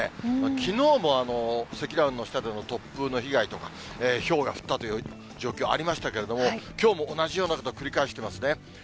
きのうも積乱雲の下での突風での被害とか、ひょうが降ったという状況ありましたけれども、きょうも同じようなことを繰り返してますね。